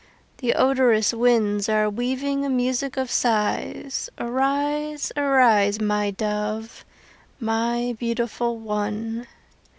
The odorous winds are weaving A music of sighs: Arise, arise, My dove, my beautiful one!